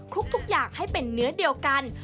ลุกทุกอย่างให้เป็นเนื้อเดียวกัน